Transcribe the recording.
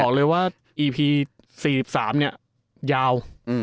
บอกเลยว่าอีพี๔๓เนี่ยยาว